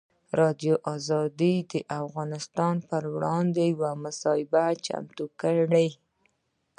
ازادي راډیو د اقتصاد پر وړاندې یوه مباحثه چمتو کړې.